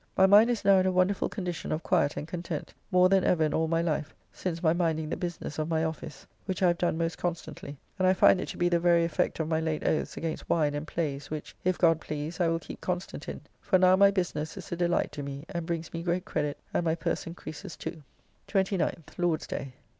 My mind is now in a wonderful condition of quiet and content, more than ever in all my life, since my minding the business of my office, which I have done most constantly; and I find it to be the very effect of my late oaths against wine and plays, which, if God please, I will keep constant in, for now my business is a delight to me, and brings me great credit, and my purse encreases too. 29th (Lord's day).